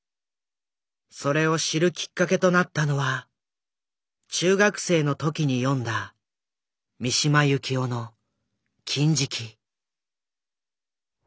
それを知るきっかけとなったのは中学生の時に読んだ三島由紀夫の「禁色」。